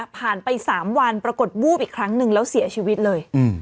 ผ่านไป๓วันปรากฏวูบอีกครั้งหนึ่งแล้วเสียชีวิตเลย